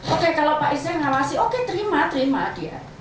oke kalau pak israel ngawasi oke terima terima dia